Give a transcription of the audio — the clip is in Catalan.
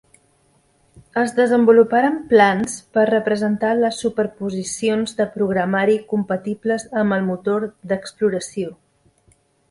Es desenvoluparen plans per representar les superposicions de programari compatibles amb el motor d'exploració.